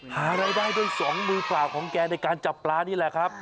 หารายได้ด้วยสองมือเปล่าของแกในการจับปลานี่แหละครับ